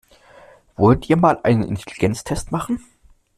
Wollt ihr mal einen Intelligenztest machen?